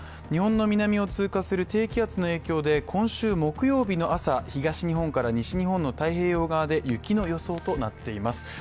日本の南を通過する低気圧の影響で今週木曜日の朝、東日本から西日本の太平洋側で雪の予想となっています。